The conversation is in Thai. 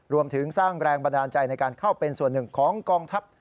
รวมถึงสร้างแรงบันดาลใจในการเข้าเป็นส่วนหนึ่งของกองทัพ